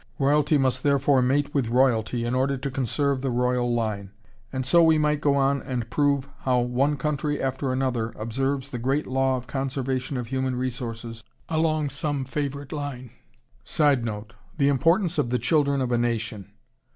Royalty must therefore mate with royalty in order to conserve the royal line. And so we might go on and prove how one country after another observes the great law of conservation of human resources along some favorite line. [Sidenote: Importance of the children of a nation.